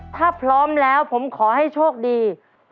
ถ้าพร้อมแล้วผมขอให้โชคดี